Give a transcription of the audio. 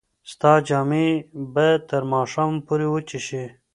ستا جامې به تر ماښامه پورې وچې شي.